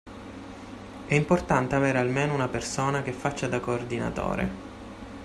È importante avere almeno una persona che faccia da coordinatore.